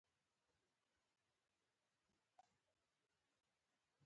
چې تاسو زما د مور اپرېشن ته راکړې وې.